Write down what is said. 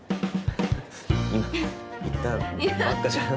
今言ったばっかじゃん。